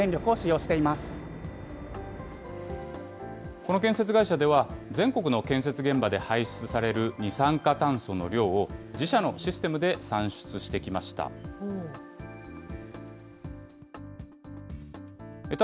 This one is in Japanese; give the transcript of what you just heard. この建設会社では、全国の建設現場で排出される二酸化炭素の量を、自社のシステムで算出してきました。